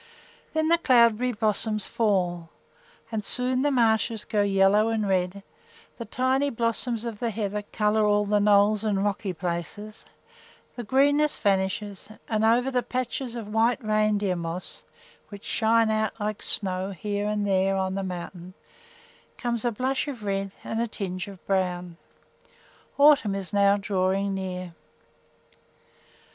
Then the cloudberry blossoms fall, and soon the marshes grow yellow and red, the tiny blossoms of the heather color all the knolls and rocky places, the greenness vanishes, and over the patches of white reindeer moss, which shine out like snow here and there on the mountain, comes a blush of red and a tinge of brown. Autumn is now drawing near.